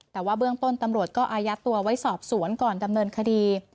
แต่ว่าเบื้องต้นตำรวจก็อายัดตัวไว้สอบสวนก่อนดำเนินคดี